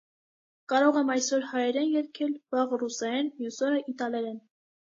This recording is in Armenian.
կարող եմ այսօր հայերեն երգել, վաղը՝ ռուսերեն, մյուս օրը՝ իտալերեն: